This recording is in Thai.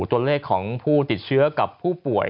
ตัวเลขของผู้ติดเชื้อกับผู้ป่วย